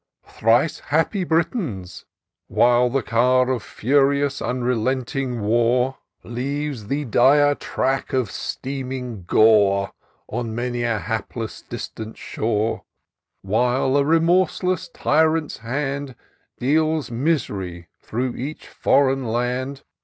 " Thrice happy Britons ! while the car Of furious, unrelenting War Leaves the dire track of streaming gore On many a hapless distant shore, — While a remorseless tyrant's hand Deals mis'ry through each foreign land.